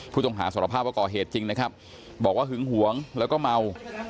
ผู้ต้องหาสารภาพว่าก่อเหตุจริงบอกว่าหึงหวงและเมา